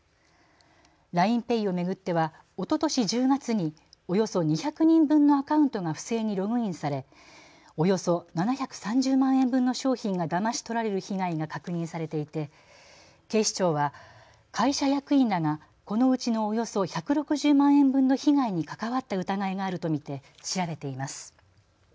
ＬＩＮＥＰａｙを巡ってはおととし１０月におよそ２００人分のアカウントが不正にログインされおよそ７３０万円分の商品がだまし取られる被害が確認されていて警視庁は会社役員らがこのうちのおよそ１６０万円分の被害に関わった疑いがあると見て調べています。